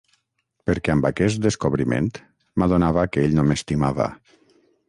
Perquè amb aquest descobriment m'adonava que ell no m'estimava.